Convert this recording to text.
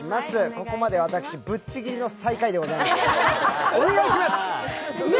ここまで私、ぶっちぎりの最下位でございます、お願いします！